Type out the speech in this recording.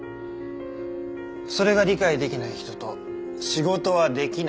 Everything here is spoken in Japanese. それが理解できない人と仕事はできない。